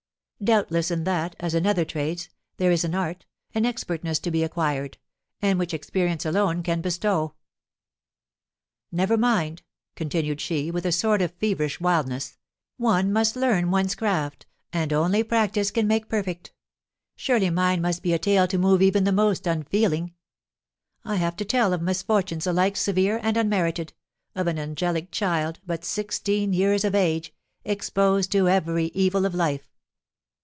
Doubtless in that, as in other trades, there is an art, an expertness to be acquired, and which experience alone can bestow. Never mind," continued she, with a sort of feverish wildness, "one must learn one's craft, and only practice can make perfect. Surely mine must be a tale to move even the most unfeeling. I have to tell of misfortunes alike severe and unmerited, of an angelic child, but sixteen years of age, exposed to every evil of life.